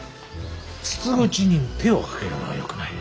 筒口に手をかけるのはよくない。